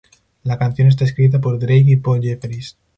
La canción está escrita por Drake y Paul Jefferies.